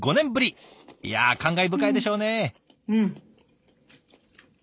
いや感慨深いでしょうね。